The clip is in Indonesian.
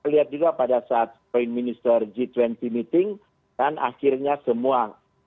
lihat juga pada saat point minister g dua puluh meeting dan akhirnya semua